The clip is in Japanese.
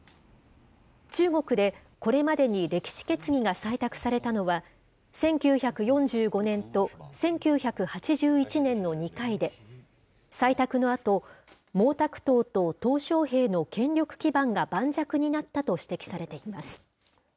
中国でこれまでに歴史決議が採択されたのは、１９４５年と１９８１年の２回で、採択のあと、毛沢東ととう小平の権力基盤が盤石になったと指摘されています。